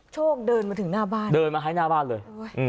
เดินมาถึงหน้าบ้านเดินมาให้หน้าบ้านเลย